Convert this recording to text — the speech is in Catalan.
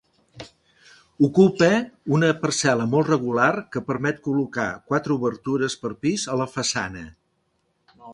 Ocupa una parcel·la molt regular que permet col·locar quatre obertures per pis a la façana.